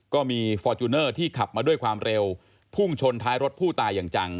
ก็มีฟอร์จูเนอร์ที่ขับมาด้วยความเร็วพุ่งชนท้ายรถผู้ตายอย่างจัง